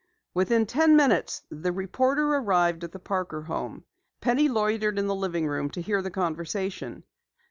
Within ten minutes the reporter arrived at the Parker home. Penny loitered in the living room to hear the conversation.